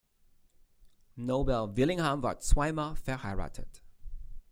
Noble Willingham war zweimal verheiratet.